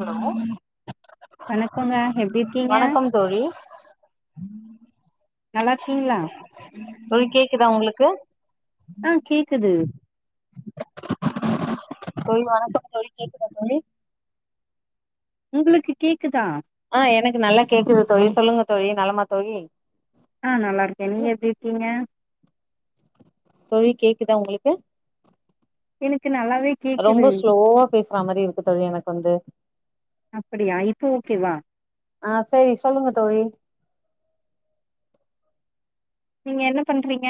hello வணக் வணக்கம் தோழி உ நல்லா இருக்கீங்ளா கேக்குதா ஒங்களுக்கு ஆ கேக்குது தோழி வணக்கம் தோழி கேக்குதா தோழி உங்களுக்கு கேக்குதா ஆ எனக்கு நல்லா கேக்குது தோழி சொல்லுங்க தோழி நலமா தோழி ஆ நல்லா இருக்கே நீங்க எப்டி இருக்கீங்க தோழி கேக்குதா ஒங்களுக்கு எனக்கு நல்லாவே கேக்குது ஸ்லோவா பேசுற மாரி இருக்கு தோழி எனக்கு வந்து அப்டியா இப்போ ஓகேவா ஆ சேரி சொல்லுங்க தோழி நீங்க என்ன பண்றீங்க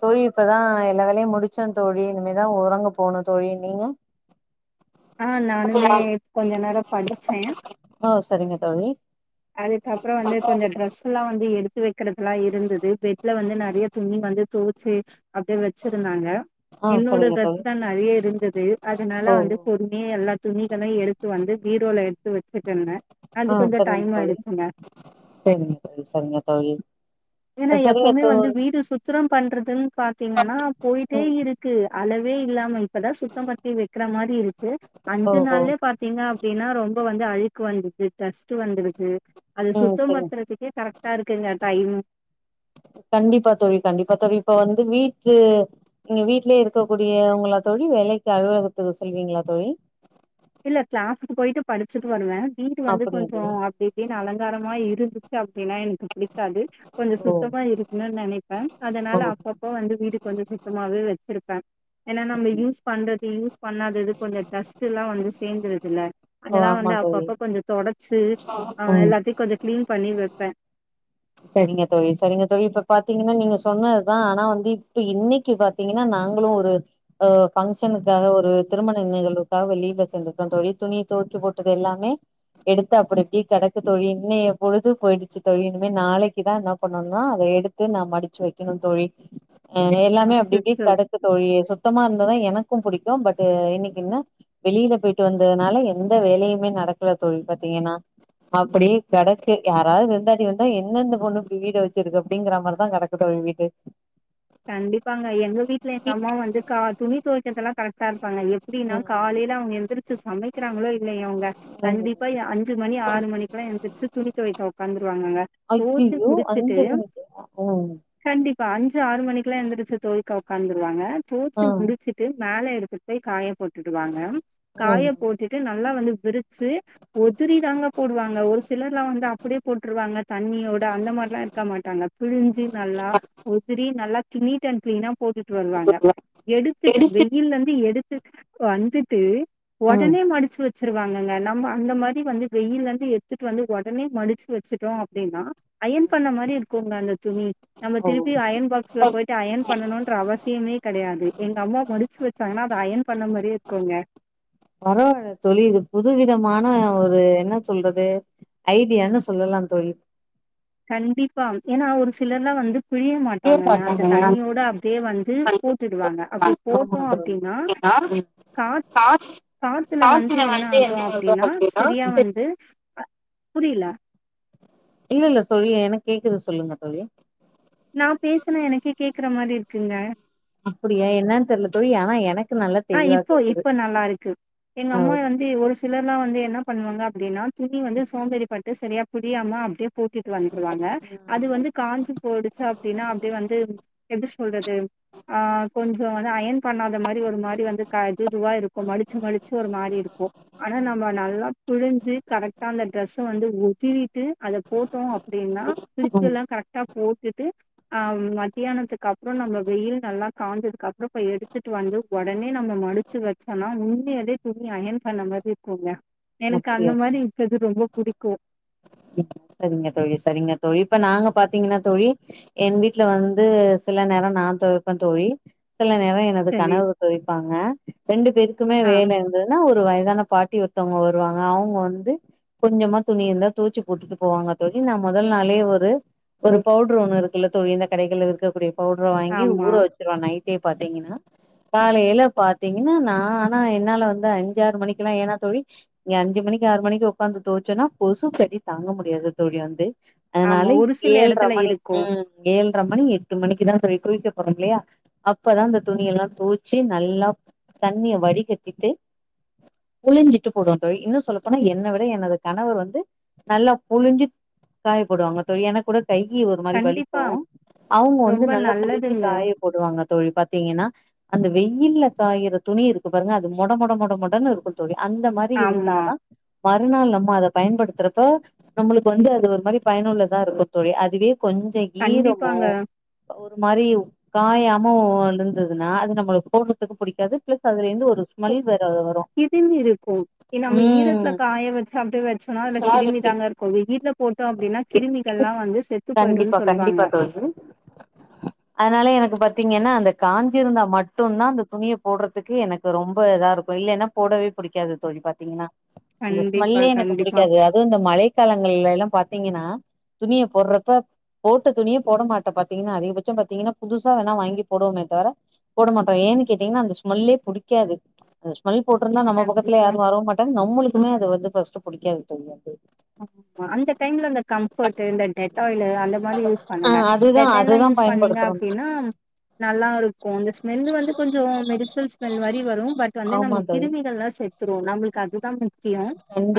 தோழி இப்பதா எல்லா வேலையு முடிச்சே தோழி இனிமே தா ஒறங்க போனு தோழி நீங்க ஆ நானுமே கொஞ்ச நேரோ படிச்சே ஓ சரிங்க தோழி அதுக்கப்புற வந்து கொஞ்ச ட்ரெஸ் எல்லா வந்து எடு எடுக்கறதெல்லா இருந்தது பெட்ல வந்து நெறய துணி வந்து துவ சேரி அப்டிய வச்சிருந்தாங்க ஆ என்னோட சரிங்க தோழி ட்ரெஸ் தா நெறயா இருந்தது அதனால ஓ வந்து பொறுமையா எல்லா துணிகளையு எடுத்து வந்து பீரோல [unintelligible] அது ஆ கொஞ்சம் சரிங்க டைம் தோழி ஆயிடுச்சுங்க சரிங்க தோழி சரிங்க தோழி ஏன்னா சரிங்க எப்பவுமே வந்து தோழி வீடு சுத்தம் பண்றதுன்னு பாத்தீங்கன்னா போயிட்டே ம் இருக்கு அளவே இல்லாமை இப்ப தா சுத்தம் பத்தி வைக்கிற மாரி இருக்கு ஓ அஞ்சு ஓ நாள்லயே பாத்தீங்க அப்டின்னா ரொம்ப வந்து அழு வந்து [unintelligible] வந்து அது ம் சுத்தம் சரிங்க பத்துறதுக்கே கரெக்டா இருக்குங்க டைமு வீட்லே வீட்லே இருக்கக்கூடியவங்களா தோழி வேலைக்கு அலுவகத்துக்கு சொல்வீங்களா தோழி இல்ல கிளாஸுக்கு போயிட்டு படிச்சுட்டு வருவேன் வீடு வந்து அப்படியா தோழி கொஞ்சம் அப்டி இப்டி அலங்காரமா இருந்துச்சு [unintelligible] இருக்காது கொஞ்ச ஓ சுத்தமா இருக்குன்னு நெனைப்பேன் ஓ அதனால அப்பப்பா வந்து வீடு கொஞ்ச சுத்தமாவே வச்ச இருப்பேன் ஏன்னா நம்ம யூஸ் பண்றது யூஸ் பண்ணாதது கொஞ்ச டஸ்ட் எல்லா வந்து சேந்துருதுல்ல ஓ அதெல்லா ஆமா வந்து தோழி அப்பப்ப கொஞ்சம் தொடச் சு அ ம் எல்லாத்தையும் கொஞ்ச கிளீன் பண்ணி வப் [unintelligible] செரிங்க தோழி செரிங்க தோழி இப்ப பாத்தீங்கன்னா நீங்க சொன்னது தா ஆனா வந்து இப்ப இன்னைக்கு பாத்தீங்கன்னா நாங்களும் ஒரு அ பங்க்ஷனுக்காக ஒரு திருமண நிகழ்வுக்காக வெளியில செஞ்சிருக்கிறோம் தோழி துணி துவைக்க போட்டது எல்லாமே எடுத்து அப்டி அப்டி கிடக்கு தோழி இன்னைக்கு பொழுது போயிடுச்சு தோழி நாளைக்கு தா என்ன பண்ணும்னா அத எடுத்து நா மடிச்சு வைக்கணும் தோழி ம் எல்லாமே அப்டி இப்டி அச்சச்சோ கடக்கு தோழி சுத்தமா இருந்த தா எனக்கு புடிக்கும் பட் இன்னிக்கு நா வெளியில போயிட்டு வந்ததுனால எந்த வேலையுமே நடக்கல தோழி பாத்தீங்கன்னா அப்டியே கிடக்கு யாராவது விருந்தாளி வந்து என்ன இந்த பொண்ணு இப்டி வீடு வச்சிருக்கு அப்டிங்கற மாரி தா கிடக்கு தோழி வீடு கண்டிப்பாங்க எங்க வீட்ல எங்க அம்மா வந்து கா துணி தொவைக்கது எல்லா கரெக்டா எப்டின்னா காலையில அவுங்க எந்திரிச்சு சமைக்கிறாங்களோ இல்லயே அவுங்க ம் கண்டிப்பா அஞ்சு மணி ஆறு மணிக்கு எல்லா எழுந்திரிச்சு துணி துவை உக்காந்துருவாங்கங்க துவச்சு ஐய்யய்யோ முடிச்சிட்டு அஞ்சு மணிக்கா ம் கண்டிப்பா ஆறு மணிக்குலாம் எந்திரச்சு தொவைக்க உக்காந்துருவாங்க தோச்சி ஆ முடிச்சிட்டு மேல எடுத்துட்டு போய் காய போட்டுருவாங்க காய ம் போட்டுட்டு நல்லா வந்து விரு சு ஒதுரிதாங்க போடுவாங்க ஒரு சிலர் எல்லாம் வந்து அப்டியே போட்டுருவாங்க தண்ணியோட அந்த மாரிலா இருக்க மாட்டாங்க பிழிஞ்சு நல்லா நல்லா நீட் அன் கிளீனா போட்டுட்டு வருவாங்க எடுத்துட்டு எடுத்து வெயில்ல இருந்து எடுத் வந்துட்டு ம் ஒடனே மடிச்சு வச் வச்சிருவாங்கங்க நம்ம அந்த மாரி வந்து வெயில்லேருந்து எத்துட்டு வந்து ஒடனே மடிச்சு வச்சுட்டோம் அப்டின்னா அயன் பண்ண மாரி இருக்குங்க அந்த துணி நம்ம ஓ திருப் பி அயன் பாக்ஸ்ல போயிட்டு அயன் பண்ணணுன்ற அவசியமே கெடையாது எங்க அம்மா மடிச்சு வச்சாங்கன்னா அது அயன் பண்ண மரியே இருக்குங்க பரவால்ல தோழி இது புது விதமான ஒரு என்ன சொல்றது ஐடியான்னு சொல்லலா தோழி கண்டிப்பா ஏன்னா ஒரு சிலர் எல்லா வந்து புழிய மாட்டாங்கங்க அந்த தண்ணியோட அப்டியே வந்து போட்டுடுவாங்க அப்படி ஆமா போட்டோம் தோழி அப்டின்னா அப்டின்னா காத் காசு காத்துல வந்து என்ன ஆகும் அப்டின்னா செரியா வந்து புரியல இல்லல்ல தோழி என்னக்கு கேக்குது சொல்லுங்க தோழி நா பேசனா எனக்கே கேக்குற மாரி இருக் குங்க அப்டியா என்னான் தெரில தோழி ஆனா எனக் ஆ இப்போ இப்ப நல்லாருக்கு எங்க ஆ அம்மா வந்து ஒரு சிலர்லா வந்து என்ன பண்ணுவாங்க அப்டின்னா துணி வந்து சோம்பறி பட்டு சரியா புழியாம அப்டியே போட்டிட்டு வந்துருவாங்க அது வந்து காஞ்சு போய்டுச்சு அப்டின்னா அப்டியே வந்து எப்ப சொல்றது ஆ கொஞ்சோ அயன் பண்ணாத மாரி ஒரு மா இப்டி வந்து இது இதுவா இருக்கும் மடிச்சு மடிச்சு ஒரு மாரி இருக்கும் ஆனா நம்ம நல்லா புழிஞ்சு கரெக்டா அந்த ட்ரெஸ்ச வந்து ஒதரிட்டு அத போட்டோம் அப்டின்னா விருச்சு ம் எல்லா கரெக்டா போ டுட்டு ஆம் மதியானத்துக்கு அப்றோ நம்ம வெயில் நல்லா காயஞ்சது அப்றோ இப்ப எடுத்துட்டு வந்து ஒடச் உடனே நம்ம மடிச்சு வச்சோனா உண்மையவே துணி அயன் பண்ண மாரி இருக்குங்க எனக்கு அந்த அப்பனடியா மாரி இருக்கது ரொம்ப புடிக்கு சரிங்க தோழி சரிங்க தோழி இப்ப நாங்க பாத்தீங்கன்னா தோழி என் வீட்ல வந்து சில நேரம் நா துவைப்பேன் தோழி சில நேரொ எனது சரி கணவர் தொவைப்பாங்க ரெண்டு பேருக்குமே ஆ வேல இருந்ததுனா ஒரு வய சான‌ பாட்டி ஒருத்தங்க வ ருவாங்க அவுங்க வந்து கொஞ்சமா துணி இருந்தா தோச்சு போட்டுட்டு போவாங்க தோழி நா மொதல் நாளே ஒரு ஒரு பவுடர் ஒன்னு இருக்குல்ல தோழி இந்த கடைகள்ல விற்கக்கூடிய பவுட்ர வாங்கி ஆமா ஊற வச்சுருவே நை ட்டே பாத்தீங்கனா காலைல பாத்தீங்கனா நா ஆனா என்னால வந்து அஞ்சாறு மணிக்கெல்லா ஏனா தோழி நி அஞ்சு மணிக்கு ஆறு மணிக்கு உக்காந்து தொவச்சன்னா கொசு கடி தாங்க முடியாது தோழி வந்து ஆமா அதுனால ஒரு சில ஏழ்ர எடத்துல மணி இருக்கு ம் ஏழ் ர மணி எட்டு மணிக்கு தா தோழி குளிக்க போறோல்லயா அப்பதா அந்த துணியல்லா தோச்சி நல்லா தண்ணிய வடிகட்டிட்டு புழிஞ்சிட்டு போடுவ தோழி இன்னு சொல்லப்போனா என்ன விட எனது கணவர் வந்து நல்லா புழிஞ்சு காய போடுவாங்க தோழி எனக் கூட கையி ஒரு மாரி வலிக்கு கண்டிப்பா அவுங்க வந்து ரொம்ப நல்லா புழிஞ்சு நல்லதுங்க காய போடுவாங்க தோழி பாத்தீங்கன்னா அந்த வெயில்ல காயிற துணி இருக்கு பாருங்க அது மொட மொட மொட மொடன் இருக்கு தோழி அந்த து ஆமா இருந்தாதா மறுநாள் நம்ம அத பயன்படுத்துறப்ப நம்மளுக்கு வந்து அது ஒரு மாரி பயனுள்ளதா இருக்கு தோழி அதுவே கொஞ்ச‌ ஈரமோ கண்டிப்பாங்க ஒ ரு மாரி காயாம ஒ இருந்ததுன்னா அது நம்மளுக் போட்றத்துக்கு பிடிக்காது பிளஸ் அதுலேந்து ஒரு ஸ்மெல் வரு இதே [unintelligible] ம் நம்ம ஈரத்ல ம் காய வச்சு அப்டியே வச்சோனா அதுல கிருமி தாங்க இருக்கு வெயில்ல போட்டோ அப்டின்னா கிருமிகள்லா வந்து செத்து போயிடுன் கண்டிப்பா சொல்வாங்க கண்டிப்பா னக்கு பாத்தீங்கன்னா அந்த காஞ்சிருந்தா மட்டுந்தா அந்த துணிய போட்றதுக்கு எனக்கு ரொம்ப இதா இருக்கு இல்லனா போடவே பிடிக்காது தோழி பாத்தீங்கனா அந்த கண்டிப்பா ஸ்மெல்லே எனக்கு கண்டிப்பா புடிக்காது அதுவு இந்த மழைக்காலங்கள்லேலா பாத்தீங்கனா துணிய போர்றப்ப போட்ட துணிய போட மாட்டே பாத்தீங்கனா அதிகபட்சம் பாத்தீங்கனா புதுசா வேணா வாங்கி போடுவமே தவிர போட மாட்டோ ஏனு கேட்டிங்கனா அந்த ஸ்மெல்லே புடிக்காது அந்த ஸ்மெல் போட்ருந்தா நம்ம பத்துல கண்டிப்பா யாரு‌ வரவு மாட்டாங்க நம்மளுக்குமே அது வந்து ஃபஸ்ட்டு புடிக்காது தோழி அது ஆமா அந்த டைம்ல அந்த கம்ஃபர்ட்டு இந்த டெட்டாயிலு அந்த மாரி யூஸ் ஆ பண்ணுங்க அதுதா டெட்டாயில்லா அதுதா யூஸ் பண்ணீங்க பயன்படுத்துறோ அப்டின்னா நல்லாருக்கு இந்த ஸ்மெல்லு வந்து கொஞ்சொ மெடிசல் ஸ்மெல் மாரி வரு பட் வந்து நம்ம ஆமா தோழி கிருமிகள்லா செத் துரு நம்மள்க்கு அதுதா மு க்கியொ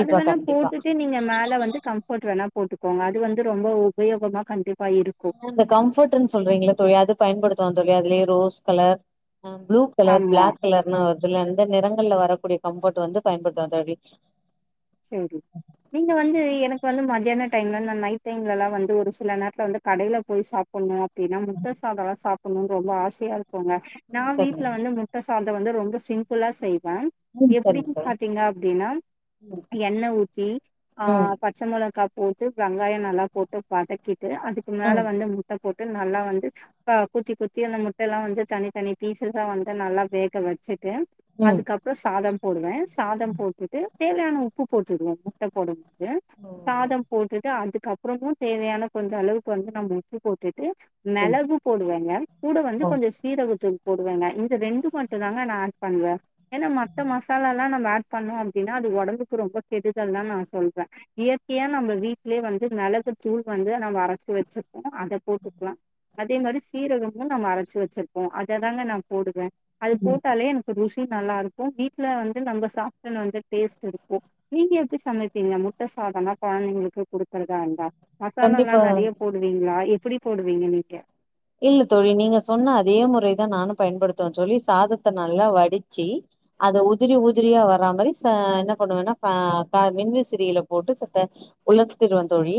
அது வேணா கண்டிப்பா போட்டுட்டு நீங்க மேல வந்து கம்ஃபர்ட் வேணா போட்டுக்கோங்க அது வந்து ரொம்ப உபயோகமா கண்டிப் ஆ அந்த கம்ஃபர்ட்டுன் சொல்றீங்ள தோழி அது பயன்படுத்துவோ தோழி அதுலயே ரோஸ் கலர் ஆ ப்ளூ கலர் ஆமா பிளாக் கலர்னா வருதுல அந் இந்த நிறங்கள வரக்கூடிய கம்ப்ஃபோர்ட் வந்து பயபடுத்துவ தோழி சேரி நீங்க வந்து எனக்கு வந்து மதியானோ டைம்ல நா நைட் டைம்ல எல்லா வந்து ஒரு சில நேரத்துல வந்து கடையில போய் சாப்புணு தினா முட்ட சாதலா சாப் பொன்னு ரொம்ப ஆசையா இரு போங்க நா வீட்ல சரிங்க வந்து முட்ட சாத த்து வந்து ரொம்ப சிம்பிளா செய் அ ம் எப்பிடி சரிங்க பாத்தீங்க அப்பிடின்னா தோழி எண்ணெய ஊத்தி ஆ ம் பச்ச மொளக்கா போட்டு வெங்காயோ நல்லா போட்டு வதக்கி து அதுக்கு மேல ம் வந்து முட்ட போட் ட்டு நல்லா வந்து ஆ குத்தி குத்தி அந்த முட்ட எல்லா வந்து தனி தனி பீஷ்ஷா வந்து நல்லா வேக வச்சி ட்டு ம் ம் அதுக்கப்புறோ சாதம் போடுவே சாதம் போட்டுட்டு சேலாணு உப்பு போட்டுடுவோ முட்ட போடுங் து ம் சாதம் போட்டுடு அதுக்க அப் பிறகு தேவையான கொஞ்ச அளவுக்கு வந்து நம்ம உப்பு போட்டு க்கு ம் மிளகு போடுவங்க கூட வந்து கொஞ்சோ சீரகத்தூள் போடுவேங்க இந்த ரெண்டு மட்டு தாங்க நா ஏட் பண்ணுவே ஏன்னா மத்த மசாலா எல்லா நம்ம ஏட் பண்ணுவம் அப்பிடின்னா அது ஒடம்பு க்கு ரொம்ப கெடுதல் தா நா சொல்றே இயற்கையா நம்ம வீடலேயே வந்து மிளகு தூள் வந்து நம்ம அரைச்சி வச்சிருப்போ அத போட்டுக்கலா அதே மாரி சீரகமு நம்ம அரைச்சி வச்சிருப்போ அததாங்க நா போடுவே அது ம் போட்டாலே எனக்கு ருசி கு நல்லா இருக்கு வீட்ல வந்து நம்ம சாப்ட்டனு வந்து டேஸ்ட் இரு ஒ நீங்க எப்பிடி சமைப்பீங்க முட்ட சாதம்ன்னா கொழந்தைங்களுக்கு குடுத்துறதாண்தா மசாலால்லா கண்டிப்பா நெறைய போடுவீங்களா எப் எப்பிடி போடுவீங்க நீங்க இல்ல தோழி நீங்க சொன்ன அதே முறைதா நானு பயன்படுத்துவே தோழி சாதத்த நல்லா வடிச்சி அத உதிரி உதிரியா வரா மாரி ச என்ன பண்ணுவேன்னா பா பே மின்விசிறியில போட்டு செத்த உலர்த்திருவே தோழி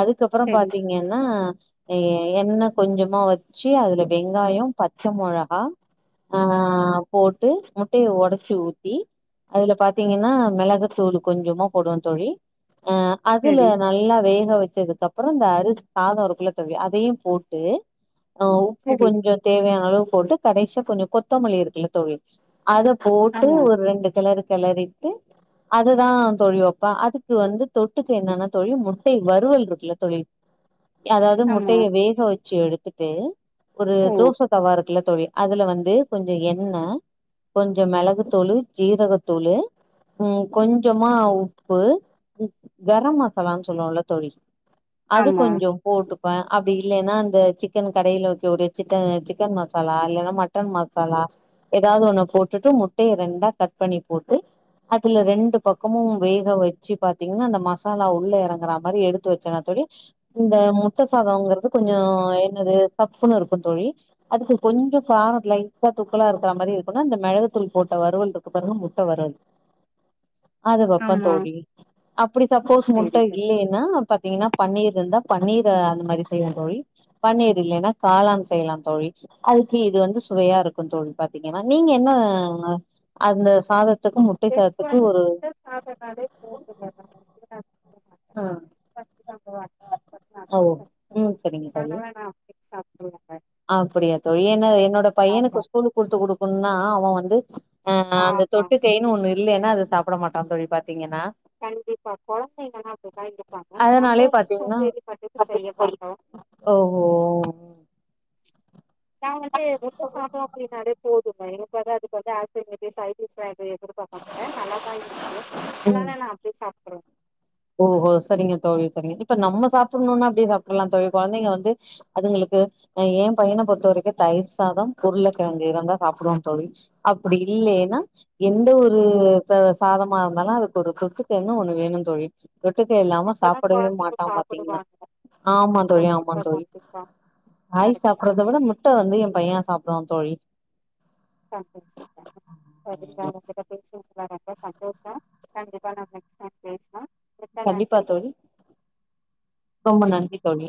அதுக்கப்புறோ சரி பாத்தீங்கன்னா நீ என்ன கொஞ்சமா வச்சு அதுல வெங்காயவெங்காயோ பச்ச மொளகா ஆ போட்டு முட்டைய ஒடைச்சு ஊத்தி அதுல பார்த்தீங்கன்னா மிளகுத்தூள் கொஞ்சமா போடுவே தோழி அ அதுல சரி நல்லா வேக வச்சதுக்கப் அப்பறோ இந்த அரு சாத இருக்குள்ளதோழி அதையு போட் டு ஆ உப்பு சரி கொஞ்ச தேவையான அளவு போட்டு கடைசி கொஞ்ச கொத்தமல்லி இருக்குல தோழி அத போட்டு ஆமா ஒரு ரெண்டு கலர் கிளறிட்டு அதுதா தோழி வப்பே அதுக்கு வந்து தொட்டுக்க என்னன்னா தோழி முட்டை வருவல் இருக்குல தோழி அதாவது ஆமா முட்டய வேக வச் ச்சு எடுத்துட்டு ஒரு ஓ தோச தவா இரு குல தோழி அதுல வந்து கொஞ்ச எண்ண கொஞ்ச மிளகுத்தூளு ஜீரகத்தூளு உ கொஞ்சமா உப்பு கரம் மசாலான்னு சொல்லுவோம்ல தோழி அது ஆமா கொஞ்ச போட்டுப்பே அப்டி இல்லனா சிக்கன் கடில வைக்க கூடிய சிக்கன் மசாலா இல்லைன்னா மட்டன் மசாலா ஏதாவது ஒண்ணு போட்டுட்டு முட்டையை ரெண்டா கட் பண்ணி போட்டு அதுல ரெண்டு பக்கமு வேக வச்சு பாத்தீங்கன்னா அந்த மசாலா உள்ள இறங்குற மாதிரி எடுத்து வச்சனா தோழி இந்த முட்ட சாதம்ங்கிறது கொஞ்சோ என்னது சப்புன்னு இருக்கு தோழி அதுக்கு கொஞ்ச காரோ லைட்டா தூக்கலா இருக்கிற மாரி இருக்கும்ன்னா அந்த மிளகுத்தூள் போட்ட வறுவல் இருக்கு பிறகு முட்ட வருவல் அது வப்பே ஆமா தோழிஅப்படி சப்போஸ் சரி முட்ட சரி இல்லலைன்னா பாத்தீங்கன்னா பண்ணிர் இருந்தா பன்னீர அந்த மாரி செய்வே தோழி பண்ணிரிலேன்னா காலான்ஸ் செய்யலா தோழி அது கி இது வந்து சுவையா இருக்கும்ன்னு தோழி பாத்தீங்கன்னா நீங்க என்ன அந்த சாத [inaudible] ஆ ஃபஸ்ட்டு நம்ம அடுப்பு பண்ணி ஆ ஒ உ சரிங்க தோழி சப்ட்ருவோ அப்படியா தோழி ஏன்ன என்னோட ஆமா பையனுக்கு ஸ்கூலுக் குடுத்து குடுக்கணு ந்நா அவ வந்து ஆ அந்த ஆமா தொட்டு கைன்னு ஒண்ணு இல்லைன் ந அது சாப்பிட மாட்டான்னு தோழி இப்ப கண்டிப்பா குழந்தைங்கல்லா அப்படித்தா இருப்பாங்க அங்க அதனாலே வந்து த பாத்தீங்கன்னா சோம்பேறி பட்டுட்டு செய்ய மாட்டோ ஓஹோ நா வந்து முட்ட சாதோ அப்படின்னாலே போக் [unintelligible] பெருசாயிட்டு இருப்போ பட்ட நல்லாதான் இருக்கும் ம் ஆனா து சாப்பறோம் ஓஹோ சரிங்க தோழி சரிங்க இப்ப நம்ம சாப்பிடணும்னா அப்டே சாப்ட்றலா தோழி கொழந்தைங்க வந்து அதுங்களுக்கு ஏன் பையன பொறுத்த வரைக்கும் தயிர் சாதம் உருளைக்கெழங்கு இருந்தா சாப்டுவான் தோழி அப் பிடி இல்லேன்னா எந்த ஒரு ரு ச சாதமா இருந்தாலும் அதுக்கு ஒரு தொட்டுக்கன்னு ஒண்ணு வேணும் தோழி தொட்டுக்க இல்லாம அப்பதா சாப்படவே கொழந்தைங்க மாட்டான் பாத்தீங்கன்னா சாப்புடுவாங்க ஆமா தோழி ஆமா கண்டிப்பா தோழி கண்டிப்பா காய் கரெக்ட்டுதா சாப்பறத விட முட்ட வந்து என் பையன் சாப்டுவான் தோழி சந்தோஷம் சந்தோஷம் கண்டிப்பா உங்கிட்ட பேசனதுல ரொம்ப சந்தோஷம் கண்டிப்பா நம்ம நெக்ஸ்ட் டைம் பேசலா கண்டிப்பா தோழி ரொம்ப நன்றி தோழி